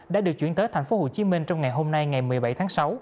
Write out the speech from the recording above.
đã được chuyển tới tp hcm trong ngày hôm nay ngày một mươi bảy tháng sáu